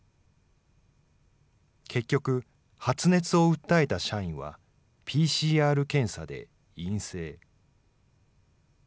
結局、発熱を訴えた社員は、ＰＣＲ検査で陰性。